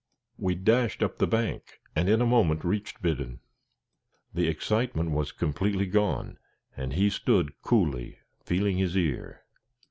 We dashed up the bank, and in a moment reached Biddon. The excitement had completely gone, and he stood coolly feeling his ear.